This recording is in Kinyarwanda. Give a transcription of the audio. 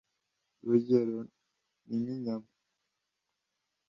urugero ni nk’inyama